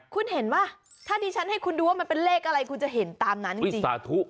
คุณเห็นป่ะถ้าดิฉันให้คุณดูว่ามันเป็นเลขอะไรคุณจะเห็นตามนั้นจริงสาธุ